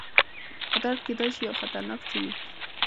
قدرت کېدای شي یو خطرناک څه وي.